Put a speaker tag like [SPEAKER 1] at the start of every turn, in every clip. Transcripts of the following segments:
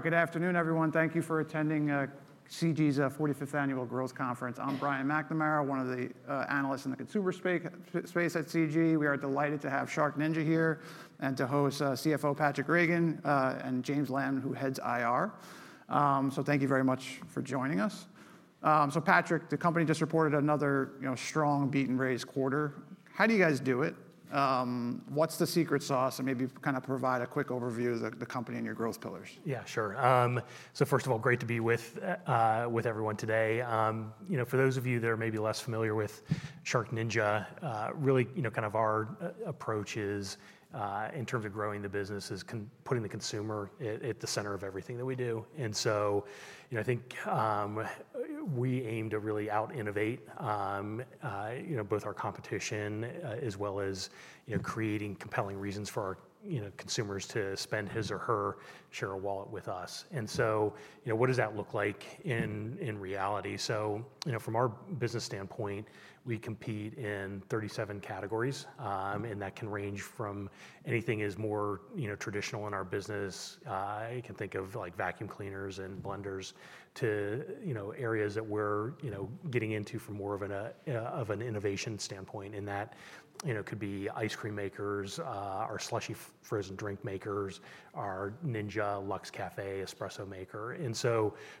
[SPEAKER 1] Good afternoon, everyone. Thank you for attending CG's 45th Annual Growth Conference. I'm Brian McNamara, one of the analysts in the consumer space at CG. We are delighted to have SharkNinja here and to host CFO Patraic Reagan and James Lamb, who heads IR. Thank you very much for joining us. Patraic, the company just reported another strong beat-and-raise quarter. How do you guys do it? What's the secret sauce? Maybe kind of provide a quick overview of the company and your growth pillars.
[SPEAKER 2] Yeah, sure. First of all, great to be with everyone today. For those of you that are maybe less familiar with SharkNinja, really, kind of our approach is, in terms of growing the business, putting the consumer at the center of everything that we do. I think we aim to really out-innovate both our competition as well as creating compelling reasons for our consumers to spend his or her share of wallet with us. What does that look like in reality? From our business standpoint, we compete in 37 categories. That can range from anything that is more traditional in our business. You can think of vacuum cleaners and blenders to areas that we're getting into from more of an innovation standpoint. That could be ice cream makers, our slushie frozen drink makers, our Ninja Luxe, espresso maker.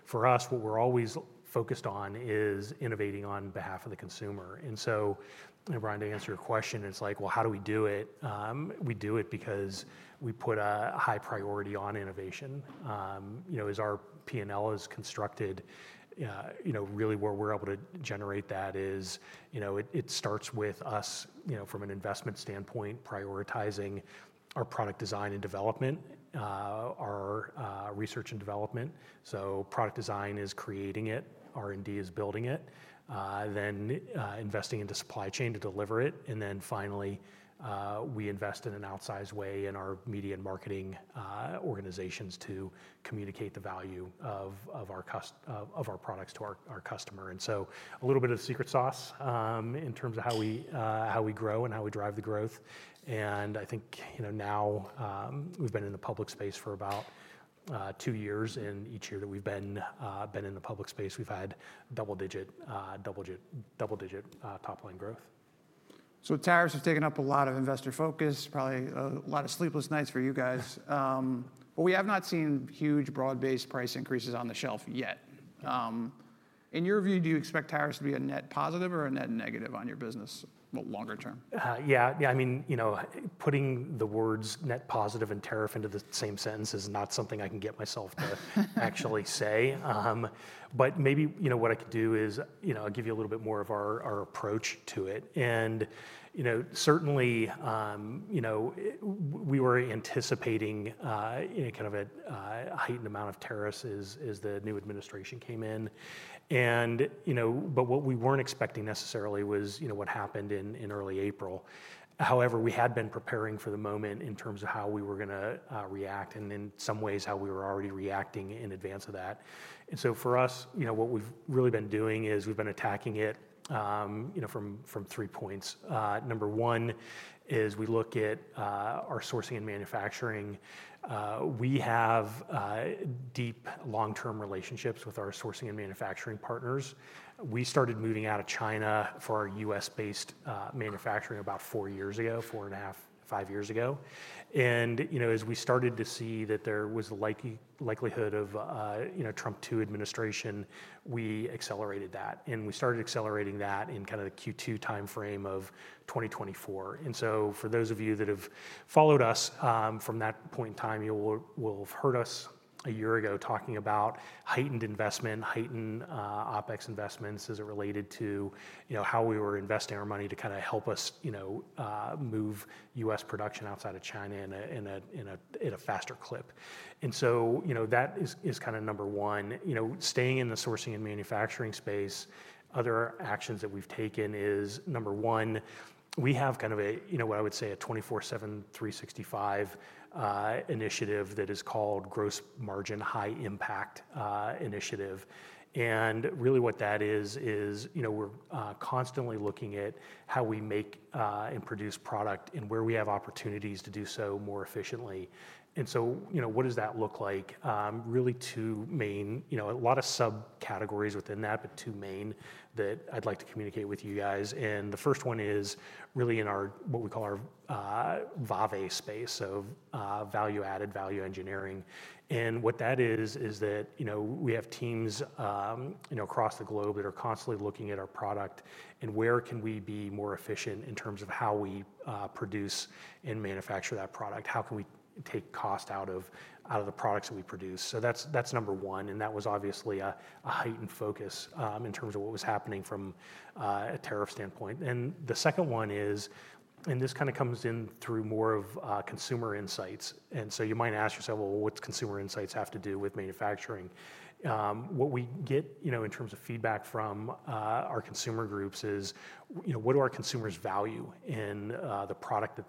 [SPEAKER 2] For us, what we're always focused on is innovating on behalf of the consumer. Brian, to answer your question, it's like, how do we do it? We do it because we put a high priority on innovation. As our P&L is constructed, really where we're able to generate that is, it starts with us, from an investment standpoint, prioritizing our product design and development, our research and development. Product design is creating it, R&D is building it, then investing in the supply chain to deliver it. Finally, we invest in an outsized way in our media and marketing organizations to communicate the value of our products to our customer. A little bit of the secret sauce in terms of how we grow and how we drive the growth. I think now we've been in the public space for about two years. Each year that we've been in the public space, we've had double-digit top-line growth.
[SPEAKER 1] Tariffs have taken up a lot of investor focus, probably a lot of sleepless nights for you guys. We have not seen huge broad-based price increases on the shelf yet. In your view, do you expect tariffs to be a net positive or a net negative on your business longer term?
[SPEAKER 2] Yeah, yeah. I mean, you know, putting the words net positive and tariff into the same sentence is not something I can get myself to actually say. Maybe, you know, what I could do is, you know, I'll give you a little bit more of our approach to it. Certainly, you know, we were anticipating a kind of a heightened amount of tariffs as the new administration came in. What we weren't expecting necessarily was, you know, what happened in early April. However, we had been preparing for the moment in terms of how we were going to react, and in some ways, how we were already reacting in advance of that. For us, you know, what we've really been doing is we've been attacking it from three points. Number one is we look at our sourcing and manufacturing. We have deep long-term relationships with our sourcing and manufacturing partners. We started moving out of China for our U.S.-based manufacturing about four years ago, four and a half, five years ago. As we started to see that there was a likelihood of a Trump II administration, we accelerated that. We started accelerating that in kind of the Q2 time frame of 2024. For those of you that have followed us from that point in time, you will have heard us a year ago talking about heightened investment, heightened OpEx investments as it related to how we were investing our money to kind of help us move U.S. production outside of China in a faster clip. That is kind of number one. Staying in the sourcing and manufacturing space, other actions that we've taken is, number one, we have kind of a, you know, what I would say a 24/7/365 initiative that is called Gross Margin High Impact Initiative. Really what that is, is we're constantly looking at how we make and produce product and where we have opportunities to do so more efficiently. What does that look like? Really two main, you know, a lot of subcategories within that, but two main that I'd like to communicate with you guys. The first one is really in what we call our VAVE space, so Value Added Value Engineering. What that is, is that we have teams across the globe that are constantly looking at our product and where can we be more efficient in terms of how we produce and manufacture that product. How can we take cost out of the products that we produce? So that's number one. That was obviously a heightened focus in terms of what was happening from a tariff standpoint. The second one is, and this kind of comes in through more of consumer insights. You might ask yourself, what's consumer insights have to do with manufacturing? What we get in terms of feedback from our consumer groups is, what do our consumers value in the product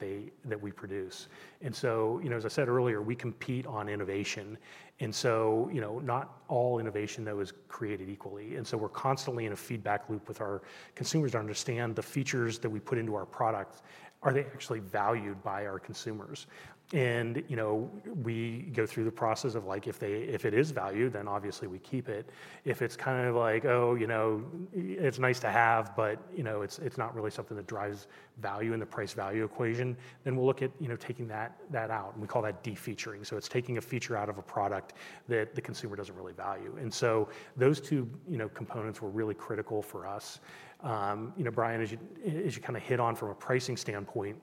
[SPEAKER 2] that we produce? As I said earlier, we compete on innovation. Not all innovation, though, is created equally. We're constantly in a feedback loop with our consumers to understand the features that we put into our products. Are they actually valued by our consumers? We go through the process of, if it is valued, then obviously we keep it. If it's kind of like, oh, it's nice to have, but it's not really something that drives value in the price value equation, then we'll look at taking that out. We call that defeaturing. It's taking a feature out of a product that the consumer doesn't really value. Those two components were really critical for us. Brian, as you kind of hit on from a pricing standpoint,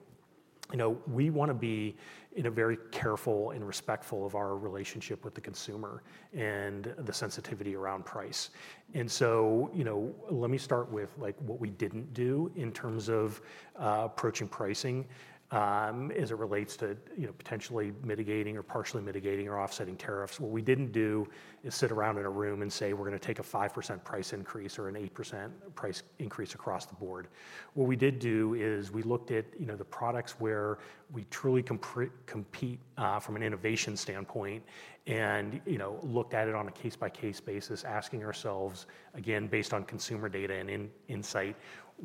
[SPEAKER 2] we want to be very careful and respectful of our relationship with the consumer and the sensitivity around price. Let me start with what we didn't do in terms of approaching pricing as it relates to potentially mitigating or partially mitigating or offsetting tariffs. What we didn't do is sit around in a room and say we're going to take a 5% price increase or an 8% price increase across the board. What we did do is we looked at the products where we truly compete from an innovation standpoint and looked at it on a case-by-case basis, asking ourselves, again, based on consumer data and insight,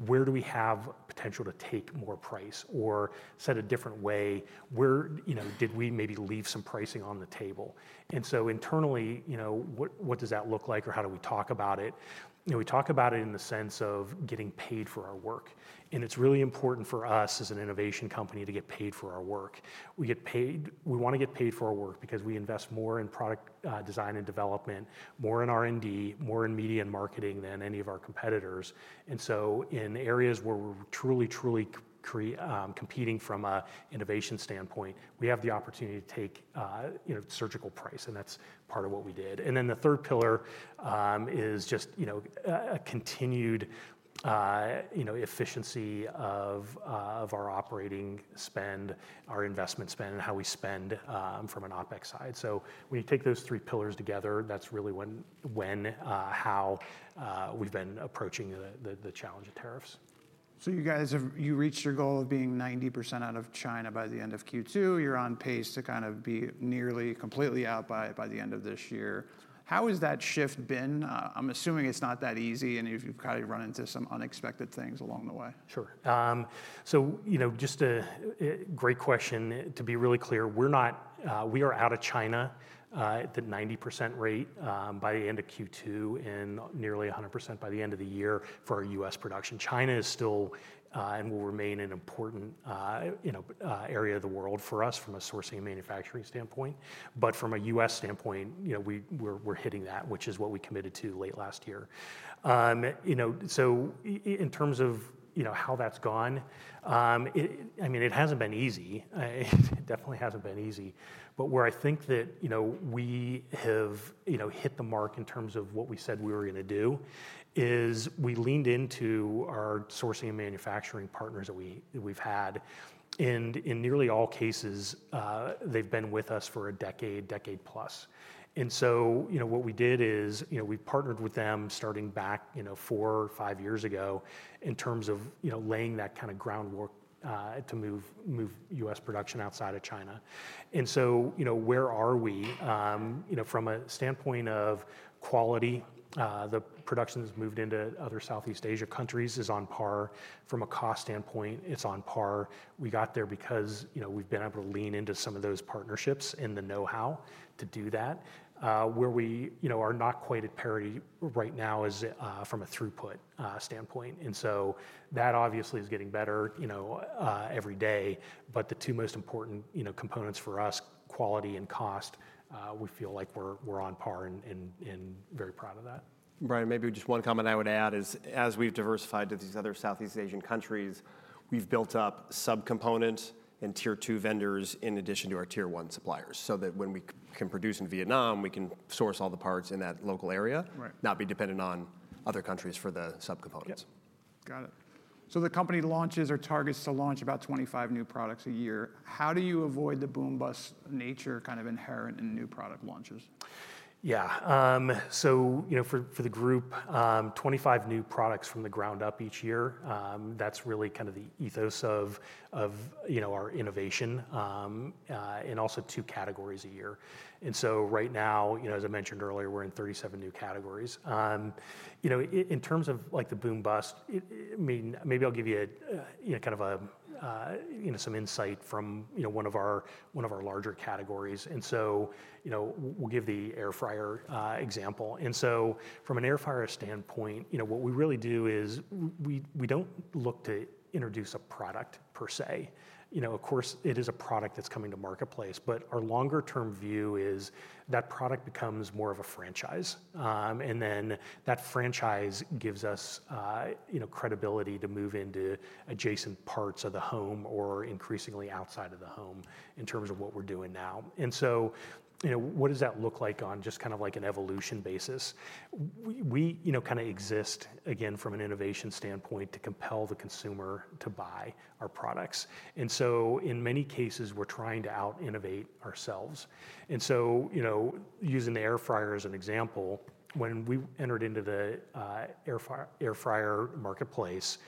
[SPEAKER 2] where do we have potential to take more price or set a different way? Where did we maybe leave some pricing on the table? Internally, what does that look like or how do we talk about it? We talk about it in the sense of getting paid for our work. It's really important for us as an innovation company to get paid for our work. We get paid, we want to get paid for our work because we invest more in product design and development, more in R&D, more in media and marketing than any of our competitors. In areas where we're truly, truly competing from an innovation standpoint, we have the opportunity to take, you know, surgical price. That's part of what we did. The third pillar is just, you know, a continued, you know, efficiency of our operating spend, our investment spend, and how we spend from an OpEx side. When you take those three pillars together, that's really how we've been approaching the challenge of tariffs.
[SPEAKER 1] You guys reached your goal of being 90% out of China by the end of Q2. You're on pace to kind of be nearly completely out by the end of this year. How has that shift been? I'm assuming it's not that easy. You've probably run into some unexpected things along the way.
[SPEAKER 2] Sure. Just a great question. To be really clear, we're not, we are out of China at the 90% rate by the end of Q2 and nearly 100% by the end of the year for our U.S. production. China is still, and will remain, an important area of the world for us from a sourcing and manufacturing standpoint. From a U.S. standpoint, we're hitting that, which is what we committed to late last year. In terms of how that's gone, it hasn't been easy. It definitely hasn't been easy. Where I think that we have hit the mark in terms of what we said we were going to do is we leaned into our sourcing and manufacturing partners that we've had. In nearly all cases, they've been with us for a decade, decade plus. What we did is we partnered with them starting back four or five years ago in terms of laying that kind of groundwork to move U.S. production outside of China. Where are we from a standpoint of quality, the production that's moved into other Southeast Asia countries is on par. From a cost standpoint, it's on par. We got there because we've been able to lean into some of those partnerships and the know-how to do that. Where we are not quite at parity right now is from a throughput standpoint. That obviously is getting better every day. The two most important components for us, quality and cost, we feel like we're on par and very proud of that.
[SPEAKER 3] Brian, maybe just one comment I would add is as we've diversified to these other Southeast Asian countries, we've built up subcomponents and tier two vendors in addition to our tier one suppliers, so that when we can produce in Vietnam, we can source all the parts in that local area, not be dependent on other countries for the subcomponents.
[SPEAKER 1] Yeah, got it. The company launches or targets to launch about 25 new products a year. How do you avoid the boom bust nature kind of inherent in new product launches?
[SPEAKER 2] Yeah, so, you know, for the group, 25 new products from the ground up each year. That's really kind of the ethos of, you know, our innovation, and also two categories a year. Right now, you know, as I mentioned earlier, we're in 37 new categories. You know, in terms of like the boom bust, I mean, maybe I'll give you some insight from one of our larger categories. We'll give the air fryer example. From an air fryer standpoint, what we really do is we don't look to introduce a product per se. Of course, it is a product that's coming to marketplace, but our longer-term view is that product becomes more of a franchise, and then that franchise gives us credibility to move into adjacent parts of the home or increasingly outside of the home in terms of what we're doing now. What does that look like on just kind of like an evolution basis? We exist again from an innovation standpoint to compel the consumer to buy our products. In many cases, we're trying to out-innovate ourselves. Using the air fryer as an example, when we entered into the air fryer marketplace,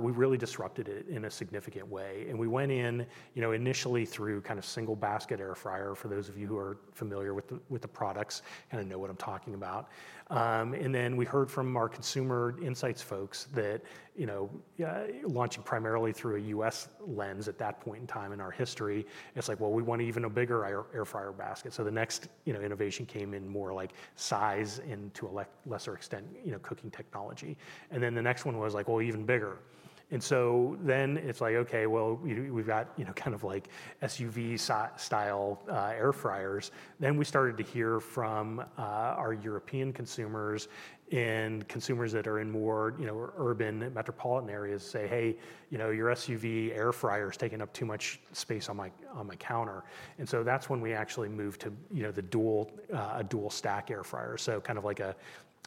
[SPEAKER 2] we really disrupted it in a significant way. We went in initially through kind of single-basket air fryer for those of you who are familiar with the products and know what I'm talking about. Then we heard from our consumer insights folks that, launching primarily through a U.S. lens at that point in time in our history, it's like, well, we want even a bigger air fryer basket. The next innovation came in more like size and to a lesser extent, cooking technology. The next one was like, well, even bigger. It's like, okay, well, we've got kind of like SUV style air fryers. We started to hear from our European consumers and consumers that are in more urban metropolitan areas say, hey, your SUV air fryer is taking up too much space on my counter. That's when we actually moved to a dual-stack air fryer, so kind of like an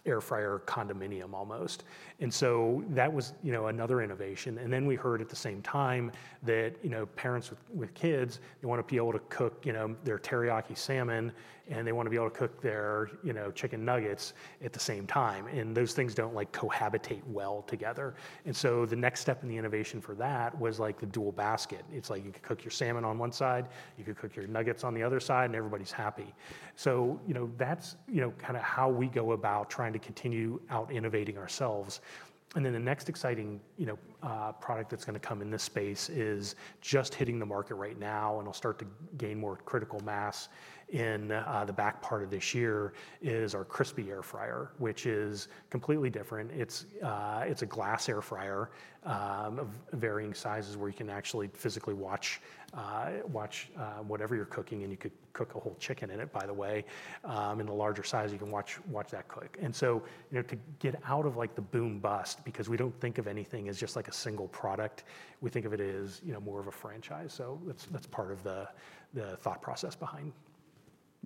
[SPEAKER 2] air fryer condominium almost. That was another innovation. We heard at the same time that parents with kids, they want to be able to cook their teriyaki salmon, and they want to be able to cook their chicken nuggets at the same time. Those things don't cohabitate well together. The next step in the innovation for that was the dual basket. You could cook your salmon on one side, you could cook your nuggets on the other side, and everybody's happy. That's kind of how we go about trying to continue out-innovating ourselves. The next exciting product that's going to come in this space is just hitting the market right now and will start to gain more critical mass in the back part of this year. It is our crispy air fryer, which is completely different. It's a glass air fryer of varying sizes where you can actually physically watch whatever you're cooking, and you could cook a whole chicken in it, by the way. In the larger size, you can watch that cook. To get out of the boom bust because we don't think of anything as just a single product, we think of it as more of a franchise. That's part of the thought process behind.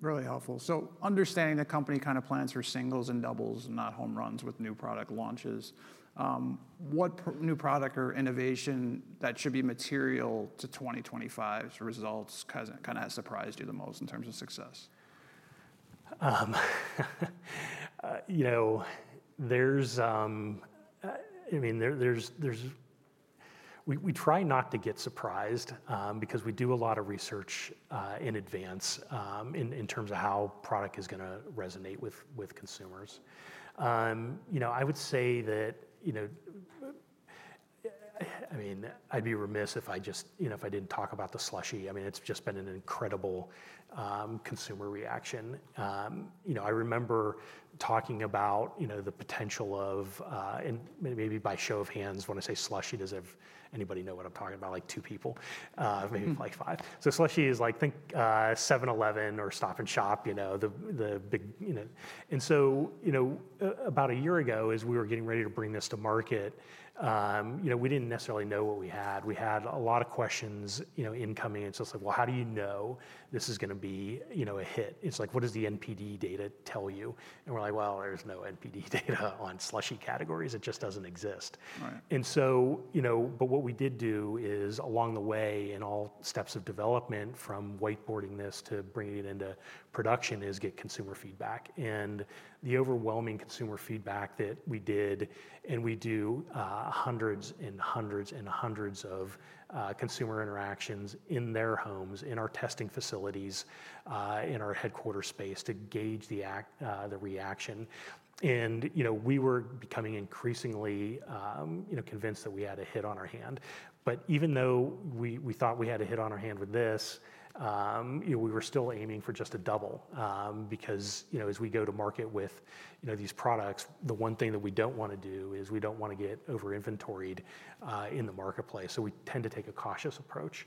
[SPEAKER 1] Really helpful. Understanding the company kind of plans for singles and doubles and not home runs with new product launches, what new product or innovation that should be material to 2025's results kind of has surprised you the most in terms of success?
[SPEAKER 2] You know, we try not to get surprised because we do a lot of research in advance in terms of how product is going to resonate with consumers. I would say that I'd be remiss if I didn't talk about the slushy. It's just been an incredible consumer reaction. I remember talking about the potential of, and maybe by show of hands, when I say slushy, does anybody know what I'm talking about? Like two people, maybe like five. So slushie is like, think 7-Eleven or Stop & Shop, you know, the big, you know. About a year ago, as we were getting ready to bring this to market, we didn't necessarily know what we had. We had a lot of questions incoming. It's like, well, how do you know this is going to be a hit? It's like, what does the NPD data tell you? We're like, well, there's no NPD data on slushy categories. It just doesn't exist. What we did do is along the way in all steps of development from whiteboarding this to bringing it into production is get consumer feedback. The overwhelming consumer feedback that we did, and we do hundreds and hundreds and hundreds of consumer interactions in their homes, in our testing facilities, in our headquarter space to gauge the reaction. We were becoming increasingly convinced that we had a hit on our hand. Even though we thought we had a hit on our hand with this, we were still aiming for just a double because as we go to market with these products, the one thing that we don't want to do is we don't want to get over-inventoried in the marketplace. We tend to take a cautious approach.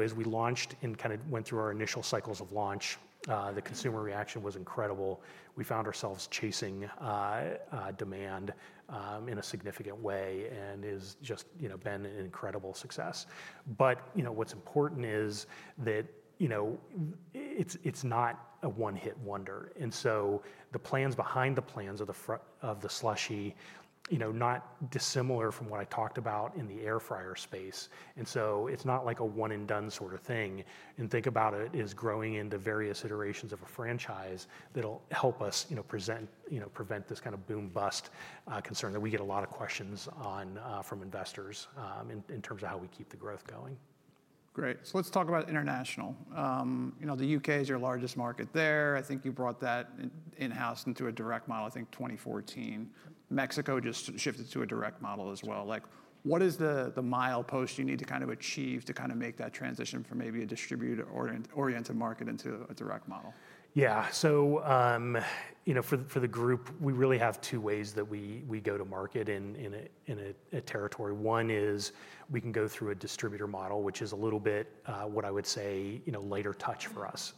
[SPEAKER 2] As we launched and kind of went through our initial cycles of launch, the consumer reaction was incredible. We found ourselves chasing demand in a significant way and it has just been an incredible success. What's important is that it's not a one-hit wonder. The plans behind the plans of the slushy, not dissimilar from what I talked about in the air fryer space. It's not like a one-and-done sort of thing. Think about it as growing into various iterations of a franchise that will help us prevent this kind of boom bust concern that we get a lot of questions on from investors in terms of how we keep the growth going.
[SPEAKER 1] Great. Let's talk about international. The U.K. is your largest market there. I think you brought that in-house into a direct distribution model in 2014. Mexico just shifted to a direct distribution model as well. What is the mile post you need to achieve to make that transition from maybe a distributor-oriented market into a direct distribution model?
[SPEAKER 2] Yeah. For the group, we really have two ways that we go to market in a territory. One is we can go through a distributor model, which is a little bit what I would say, lighter touch for us.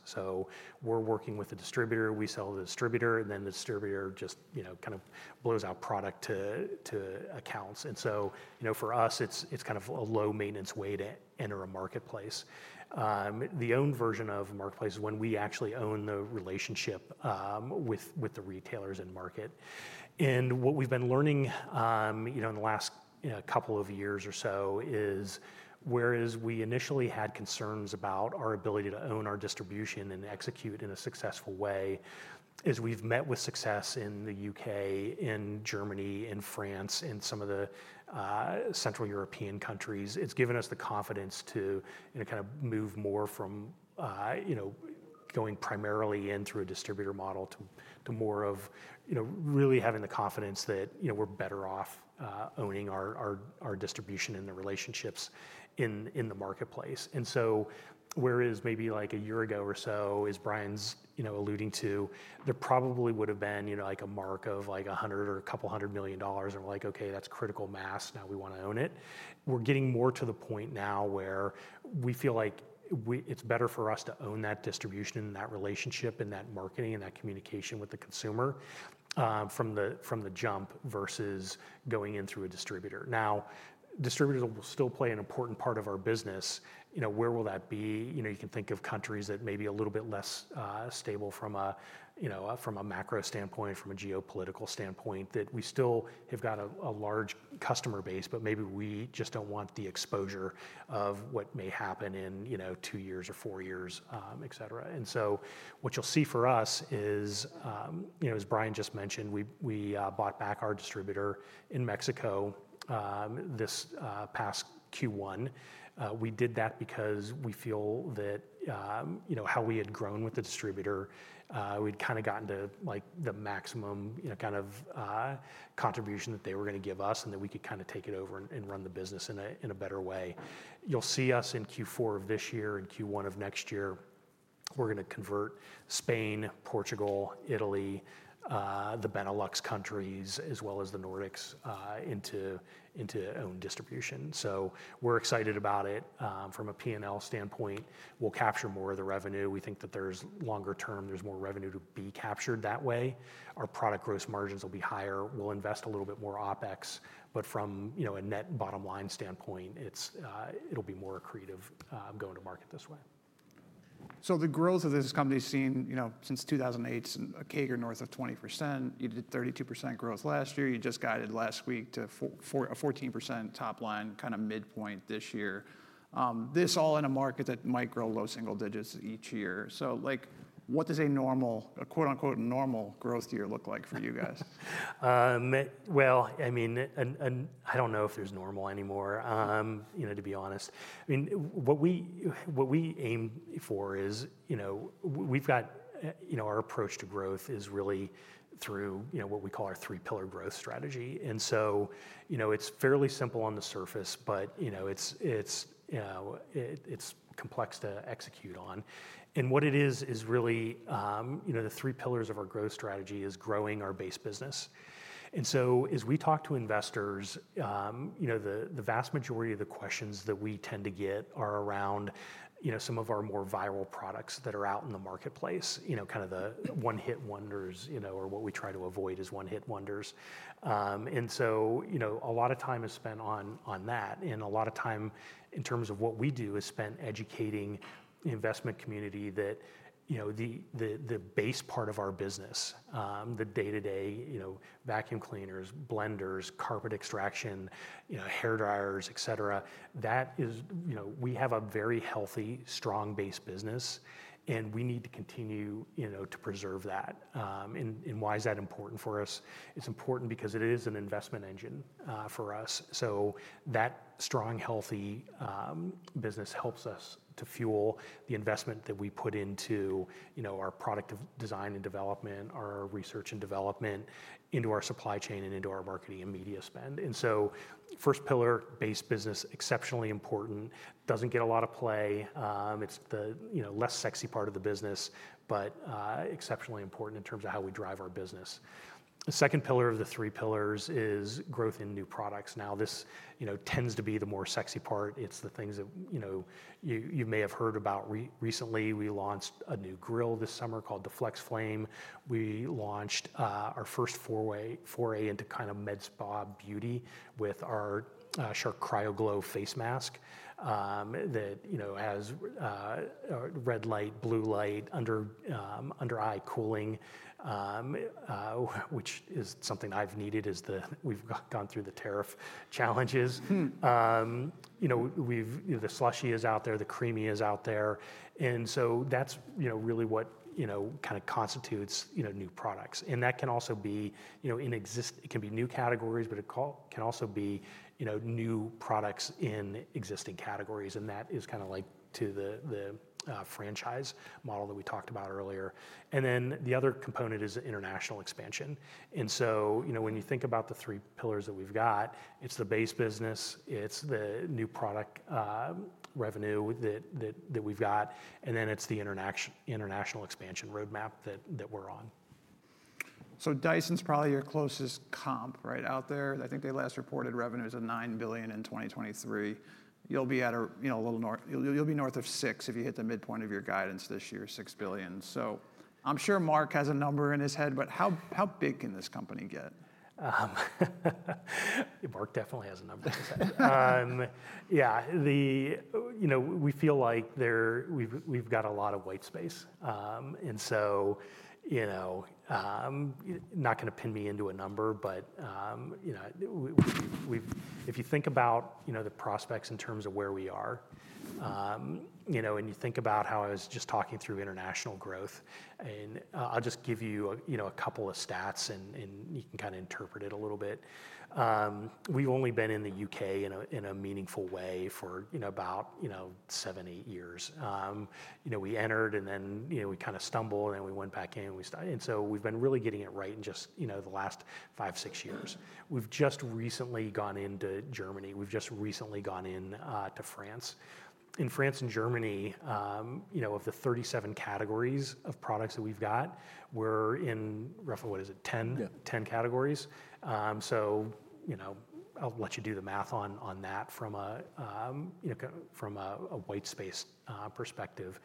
[SPEAKER 2] We're working with a distributor. We sell to the distributor, and then the distributor just kind of blows out product to accounts. For us, it's kind of a low-maintenance way to enter a marketplace. The owned version of a marketplace is when we actually own the relationship with the retailers and market. What we've been learning in the last couple of years or so is whereas we initially had concerns about our ability to own our distribution and execute in a successful way, as we've met with success in the U.K., in Germany, in France, and some of the Central European countries, it's given us the confidence to kind of move more from going primarily in through a distributor model to more of really having the confidence that we're better off owning our distribution and the relationships in the marketplace. Whereas maybe like a year ago or so, as Brian's alluding to, there probably would have been a mark of like $100 million or a couple hundred million dollars, and we're like, okay, that's critical mass. Now we want to own it. We're getting more to the point now where we feel like it's better for us to own that distribution and that relationship and that marketing and that communication with the consumer from the jump versus going in through a distributor. Distributors will still play an important part of our business. Where will that be? You can think of countries that may be a little bit less stable from a macro standpoint, from a geopolitical standpoint, that we still have got a large customer base, but maybe we just don't want the exposure of what may happen in two years or four years, etc. What you'll see for us is, as Brian just mentioned, we bought back our distributor in Mexico this past Q1. We did that because we feel that how we had grown with the distributor, we'd kind of gotten to the maximum kind of contribution that they were going to give us and that we could kind of take it over and run the business in a better way. You'll see us in Q4 of this year and Q1 of next year, we're going to convert Spain, Portugal, Italy, the Benelux countries, as well as the Nordics into owned distribution. We're excited about it. From a P&L standpoint, we'll capture more of the revenue. We think that longer term, there's more revenue to be captured that way. Our product gross margins will be higher. We'll invest a little bit more OpEx. From a net bottom line standpoint, it'll be more accretive going to market this way.
[SPEAKER 1] The growth of this company has seen, you know, since 2008, a CAGR north of 20%. You did 32% growth last year. You just guided last week to a 14% top line kind of midpoint this year. This all in a market that might grow low single digits each year. Like, what does a "normal" growth year look like for you guys?
[SPEAKER 2] I mean, I don't know if there's normal anymore, to be honest. What we aim for is, we've got our approach to growth really through what we call our three-pillar growth strategy. It's fairly simple on the surface, but it's complex to execute on. What it is, is really the three pillars of our growth strategy: growing our base business. As we talk to investors, the vast majority of the questions that we tend to get are around some of our more viral products that are out in the marketplace, kind of the one-hit wonders, or what we try to avoid as one-hit wonders. A lot of time is spent on that. A lot of time in terms of what we do is spent educating the investment community that the base part of our business, the day-to-day, vacuum cleaners, blenders, carpet extraction, hair dryers, et cetera, that is, we have a very healthy, strong base business. We need to continue to preserve that. Why is that important for us? It's important because it is an investment engine for us. That strong, healthy business helps us to fuel the investment that we put into our product design and development, our research and development, into our supply chain, and into our marketing and media spend. First pillar, base business, exceptionally important, doesn't get a lot of play. It's the less sexy part of the business, but exceptionally important in terms of how we drive our business. The second pillar of the three pillars is growth in new products. This tends to be the more sexy part. It's the things that you may have heard about recently. We launched a new grill this summer called the Woodfire electric grill and smoker. We launched our first foray into kind of med spa beauty with our Shark CryoGlow face mask that has red light, blue light, under-eye cooling, which is something I've needed as we've gone through the tariff challenges. The slushie is out there. The creamie is out there. That's really what kind of constitutes new products. That can also be in existing, it can be new categories, but it can also be new products in existing categories. That is kind of like to the franchise model that we talked about earlier. The other component is the international expansion. When you think about the three pillars that we've got, it's the base business, it's the new product revenue that we've got, and then it's the international expansion roadmap that we're on.
[SPEAKER 1] Dyson's probably your closest comp out there. I think they last reported revenues of $9 billion in 2023. You'll be north of $6 billion if you hit the midpoint of your guidance this year. I'm sure Mark has a number in his head, but how big can this company get?
[SPEAKER 2] Mark definitely has a number in his head. Yeah, we feel like we've got a lot of white space. I'm not going to pin me into a number, but if you think about the prospects in terms of where we are, and you think about how I was just talking through international growth, I'll just give you a couple of stats, and you can kind of interpret it a little bit. We've only been in the UK in a meaningful way for about seven, eight years. We entered and then we kind of stumbled and we went back in. We've been really getting it right in just the last five, six years. We've just recently gone into Germany. We've just recently gone into France. In France and Germany, of the 37 categories of products that we've got, we're in roughly, what is it, 10 categories. I'll let you do the math on that from a white space perspective.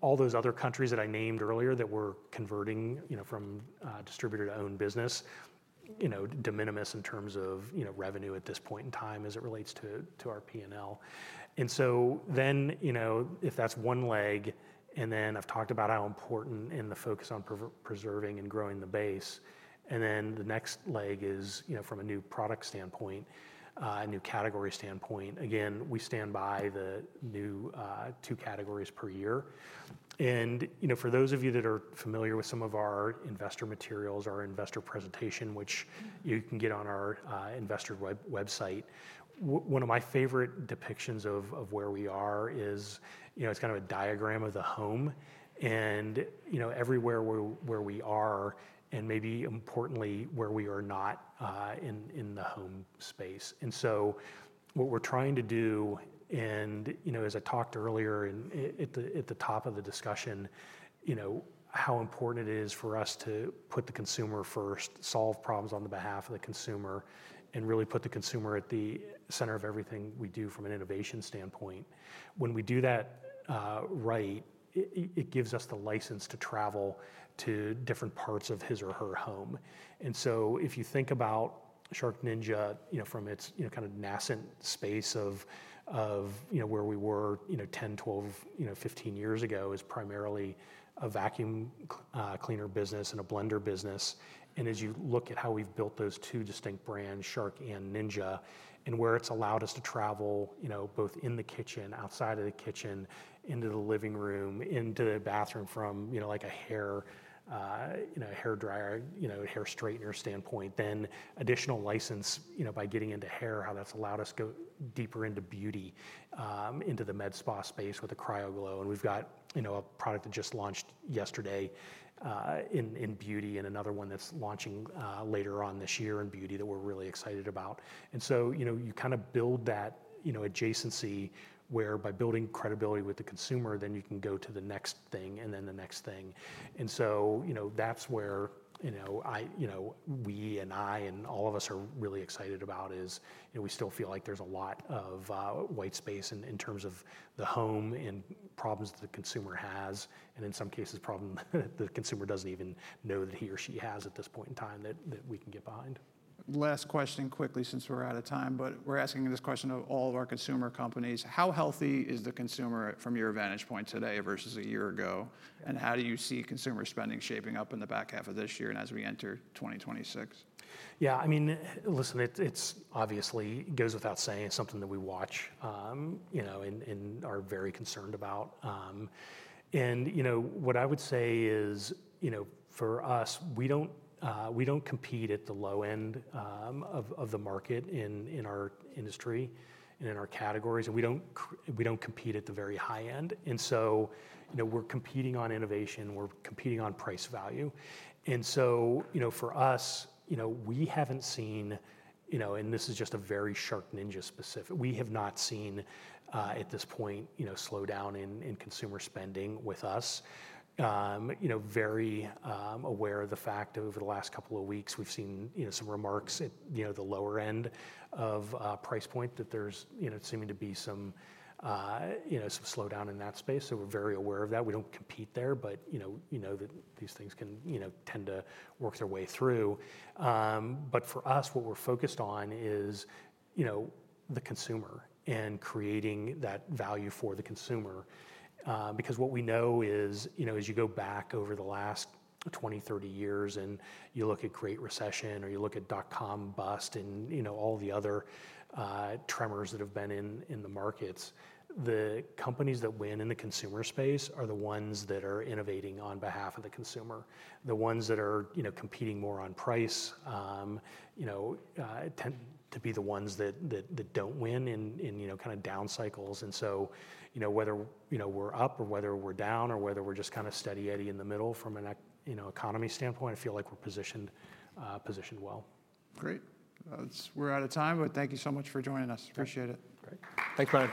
[SPEAKER 2] All those other countries that I named earlier that we're converting from distributor to owned business, de minimis in terms of revenue at this point in time as it relates to our P&L. If that's one leg, and then I've talked about how important and the focus on preserving and growing the base, the next leg is from a new product standpoint, a new category standpoint. Again, we stand by the new two categories per year. For those of you that are familiar with some of our investor materials, our investor presentation, which you can get on our investor website, one of my favorite depictions of where we are is it's kind of a diagram of the home and everywhere where we are and maybe importantly where we are not in the home space. What we're trying to do, as I talked earlier at the top of the discussion, is how important it is for us to put the consumer first, solve problems on the behalf of the consumer, and really put the consumer at the center of everything we do from an innovation standpoint. When we do that right, it gives us the license to travel to different parts of his or her home. If you think about SharkNinja from its kind of nascent space of where we were 10 years, 12 years, 15 years ago as primarily a vacuum cleaner business and a blender business. As you look at how we've built those two distinct brands, Shark and Ninja, and where it's allowed us to travel, both in the kitchen, outside of the kitchen, into the living room, into the bathroom from a hair dryer, a hair straightener standpoint, then additional license by getting into hair, how that's allowed us to go deeper into beauty, into the med spa space with the Shark CryoGlow. We've got a product that just launched yesterday in beauty and another one that's launching later on this year in beauty that we're really excited about. You kind of build that adjacency where by building credibility with the consumer, then you can go to the next thing and then the next thing. That's where we and I and all of us are really excited about, we still feel like there's a lot of white space in terms of the home and problems that the consumer has. In some cases, problems the consumer doesn't even know that he or she has at this point in time that we can get behind.
[SPEAKER 1] Last question quickly since we're out of time, but we're asking this question of all of our consumer companies. How healthy is the consumer from your vantage point today versus a year ago? How do you see consumer spending shaping up in the back half of this year and as we enter 2026?
[SPEAKER 2] Yeah, I mean, listen, it obviously goes without saying it's something that we watch and are very concerned about. What I would say is, for us, we don't compete at the low end of the market in our industry and in our categories. We don't compete at the very high end. We're competing on innovation. We're competing on price value. For us, we haven't seen, and this is just a very SharkNinja specific, we have not seen at this point a slowdown in consumer spending with us. Very aware of the fact over the last couple of weeks, we've seen some remarks at the lower end of price point that there's seeming to be some slowdown in that space. We're very aware of that. We don't compete there, but you know that these things can tend to work their way through. For us, what we're focused on is the consumer and creating that value for the consumer. Because what we know is, as you go back over the last 20 years, 30 years and you look at Great Recession or you look at Dotcom bust and all the other tremors that have been in the markets, the companies that win in the consumer space are the ones that are innovating on behalf of the consumer. The ones that are competing more on price tend to be the ones that don't win in kind of down cycles. Whether we're up or whether we're down or whether we're just kind of steady Eddie in the middle from an economy standpoint, I feel like we're positioned well.
[SPEAKER 1] Great. We're out of time, but thank you so much for joining us. Appreciate it.
[SPEAKER 2] Great. Thanks, Brian.